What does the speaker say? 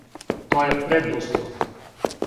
То је предуслов.